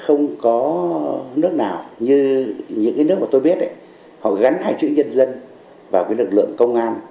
không có nước nào như những cái nước mà tôi biết ấy họ gắn hai chữ nhân dân vào cái lực lượng công an